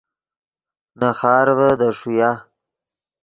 نے خارڤے دے ݰویا